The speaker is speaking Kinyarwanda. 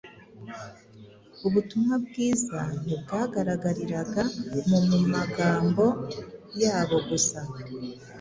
Ubutumwa bwiza ntibwagaragariraga mu mu magambo yabo gusa,